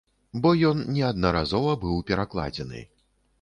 Бо ён неаднаразова быў перакладзены.